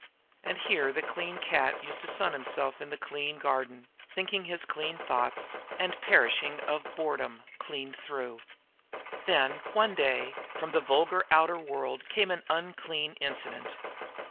And here the clean cat used to sun himself in the clean garden, thinking his clean thoughts and perishing of ennui clean through. Then, one day, from the vulgar outer world came an unclean incident.